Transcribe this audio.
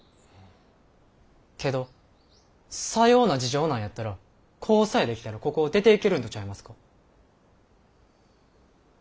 けどさような事情なんやったら子さえできたらここを出ていけるんとちゃいますか？